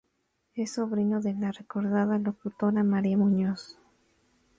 Es sobrino de la recordada locutora María Muñoz.